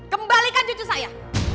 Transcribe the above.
kembalikan cucu saya